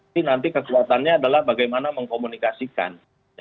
ini nanti kekuatannya adalah bagaimana mengkomunikasikan